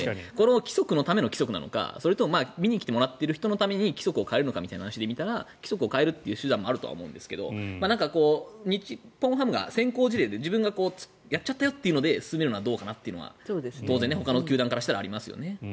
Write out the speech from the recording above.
規則のための規則なのかそれとも見に来てもらっている人のために規則を変えるのかみたいな話で見たら規則を変える手段もあると思うんですけど日本ハムが先行事例で自分がやっちゃったよって話で進めるのはどうかなというのは当然、ほかの球団からしたらありますよね。